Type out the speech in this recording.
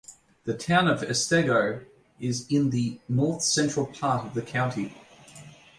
The Town of Otsego is in the north central part of the county.